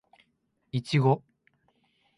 いちご